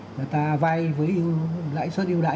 người ta vay với lãi suất ưu đãi